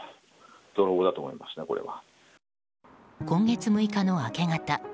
今月６日の明け方